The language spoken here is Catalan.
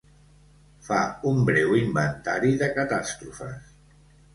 Fa un breu inventari de catàstrofes.